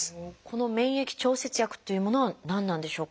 この「免疫調節薬」っていうものは何なんでしょうか？